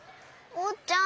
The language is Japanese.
おうちゃん？